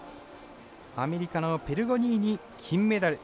アメリカのペルゴリーニ金メダル。